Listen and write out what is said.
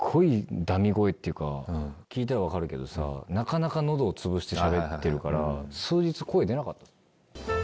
そしたらすっごいダミ声っていうか、聞いたら分かるけどさ、なかなかのどを潰してしゃべってるから、数日声出なかった。